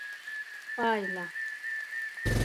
پایله: